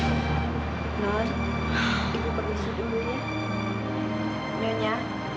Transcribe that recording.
ibu perlu suruh ibu ya